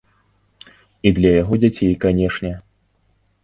І для яго дзяцей, канешне.